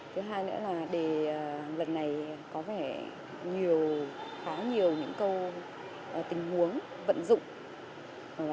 thứ hai nữa là đề lần này có vẻ nhiều khá nhiều những câu tình huống vận dụng